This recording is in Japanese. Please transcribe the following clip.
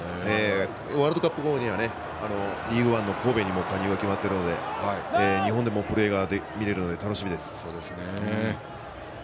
ワールドカップ後にはリーグワンの神戸に加入が決まっているので日本でもプレーが見られるので楽しみです。